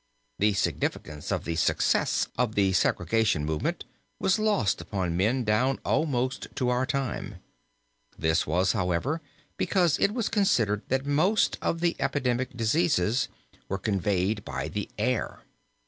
The significance of the success of the segregation movement was lost upon men down almost to our own time. This was, however, because it was considered that most of the epidemic diseases were conveyed by the air.